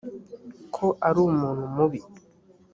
ko ari umuntu mubi!